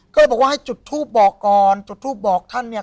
ก็เลยบอกว่าให้จุดทูปบอกก่อนจุดทูปบอกท่านเนี่ย